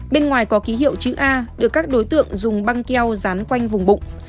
bên ngoài có ký hiệu chữ a được các đối tượng dùng băng keo dán quanh vùng bụng